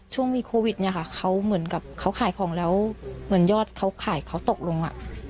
ช่วงมีโควิดเนี่ยค่ะเขาเหมือนกับเขาขายของแล้วเหมือนยอดเขาขายเขาตกลง